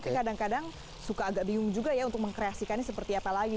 karena kadang kadang suka agak bingung juga ya untuk mengkreasikan ini seperti apa lagi